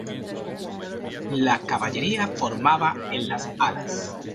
La caballería formaba en las alas.